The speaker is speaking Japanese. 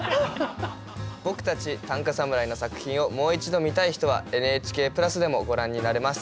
僕たち短歌侍の作品をもう一度見たい人はＮＨＫプラスでもご覧になれます。